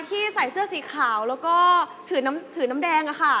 ที่ใส่เสื้อสีขาวแล้วก็ถือน้ำแดงอะค่ะ